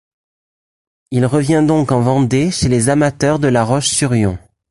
Il revient donc en Vendée chez les amateurs de La Roche-sur-Yon.